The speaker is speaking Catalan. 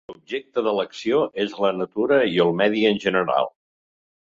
L'objecte de l'acció és la natura i el medi en general.